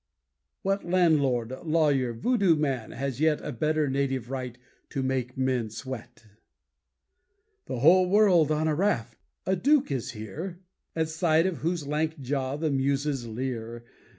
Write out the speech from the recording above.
What landlord, lawyer, voodoo man has yet A better native right to make men sweat? The whole world on a raft! A Duke is here At sight of whose lank jaw the muses leer.